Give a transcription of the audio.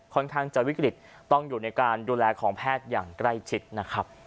ค่อนข้างจะวิกฤตต้องอยู่ในการดูแลของแพทย์อย่างใกล้ชิดนะครับ